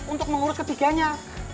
untuk mengurus ketiganya